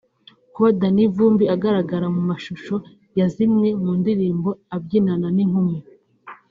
Kuba Danny Vumbi agaragara mu mashusho ya zimwe mu ndirimbo abyinana n’inkumi